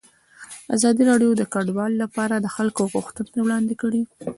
ازادي راډیو د کډوال لپاره د خلکو غوښتنې وړاندې کړي.